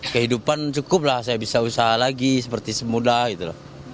kehidupan cukup lah saya bisa usaha lagi seperti semudah gitu loh